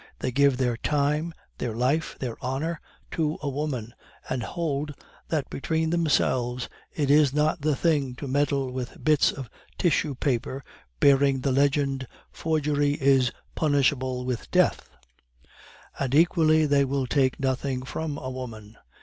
They give their time, their life, their honor to a woman, and hold that between themselves it is not the thing to meddle with bits of tissue paper bearing the legend, 'Forgery is punishable with death.' And equally they will take nothing from a woman.